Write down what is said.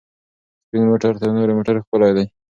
سپین موټر تر تورو موټرو ښکلی دی.